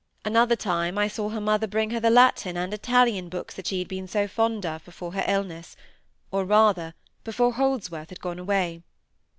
Another time I saw her mother bring her the Latin and Italian books that she had been so fond of before her illness—or, rather, before Holdsworth had gone away.